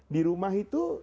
di rumah itu